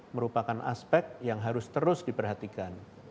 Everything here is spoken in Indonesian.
merupakan aspek yang harus terus diperhatikan